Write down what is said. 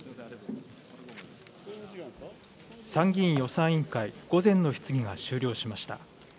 参議院予算委員会、午前の質疑が終了しました。